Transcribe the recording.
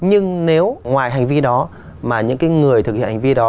nhưng nếu ngoài hành vi đó mà những người thực hiện hành vi đó